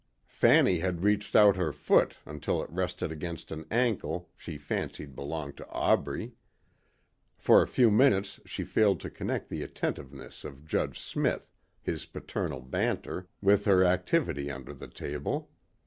Fanny had reached out her foot until it rested against an ankle she fancied belonged to Aubrey. For a few minutes she failed to connect the attentiveness of Judge Smith, his paternal banter, with her activity under the table.